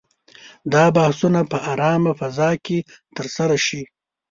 دا بحثونه په آرامه فضا کې ترسره شي.